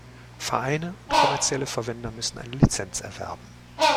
Vereine und kommerzielle Verwender müssen eine Lizenz erwerben.